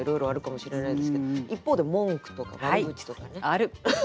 ある！